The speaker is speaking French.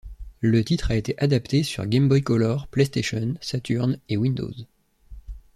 Le titre a été adapté sur Game Boy Color, PlayStation, Saturn, et Windows.